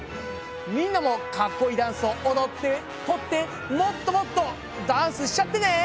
みんなもかっこいいダンスを踊って撮ってもっともっとダンスしちゃってね！